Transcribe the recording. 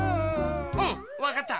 うんわかった。